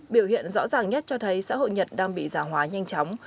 biểu hiện rõ ràng nhất cho thấy xã hội nhật đang bị giả hóa nhanh chóng